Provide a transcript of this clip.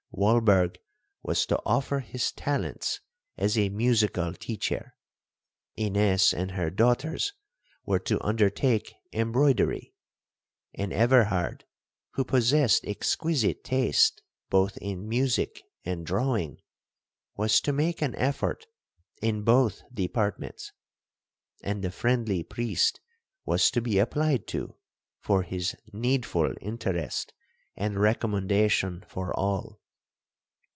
Walberg was to offer his talents as a musical teacher,—Ines and her daughters were to undertake embroidery,—and Everhard, who possessed exquisite taste both in music and drawing, was to make an effort in both departments, and the friendly priest was to be applied to for his needful interest and recommendation for all.